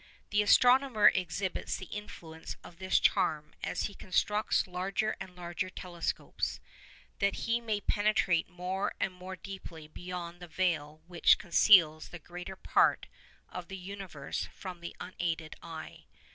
The astronomer exhibits the influence of this charm as he constructs larger and larger telescopes, that he may penetrate more and more deeply beyond the veil which conceals the greater part of the universe from the unaided eye.